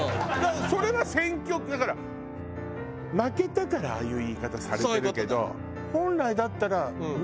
それは選曲だから負けたからああいう言い方されてるけど。